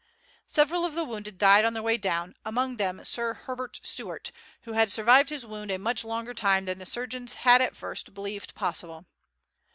Several of the wounded died on their way down, among them Sir Herbert Stewart, who had survived his wound a much longer time than the surgeons had at first believed possible.